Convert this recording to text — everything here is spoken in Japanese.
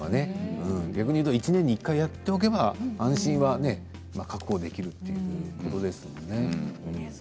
逆に言うと１年に１回やっておけば安心を確保できるということですものね。